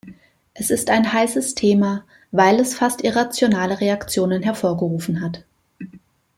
Es ist ein heißes Thema, weil es fast irrationale Reaktionen hervorgerufen hat.